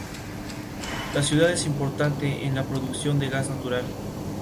Hoy, la liturgia es tanto en lengua eslovaca como en el antiguo eslavo.